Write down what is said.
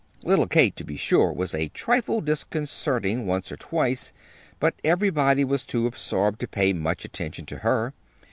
Little Kate, to be sure, was a trifle disconcerting once or twice, but everybody was too absorbed to pay much attention to her.